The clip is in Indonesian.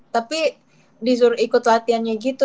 tapi disuruh ikut latihannya gitu